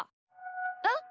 えっ？